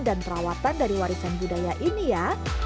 dan perawatan dari warisan budaya ini ya